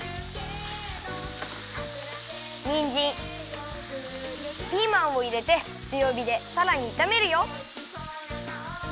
にんじんピーマンをいれてつよびでさらにいためるよ。